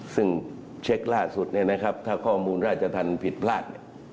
ซึ่งเช็คล่าสุดเนี่ยนะครับถ้าข้อมูลราชธรรมผิดพลาดเนี่ย